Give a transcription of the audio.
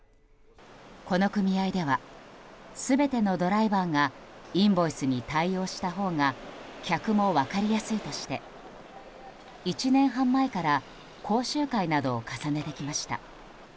この組合では全てのドライバーがインボイスに対応したほうが客も分かりやすいとして１年半前から講習会などを重ねてきました。